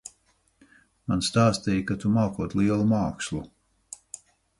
Man stāstīja, ka tu mākot lielu mākslu.